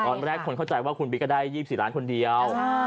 ตอนแรกคนเข้าใจว่าคุณบิ๊กก็ได้๒๔ล้านคนเดียว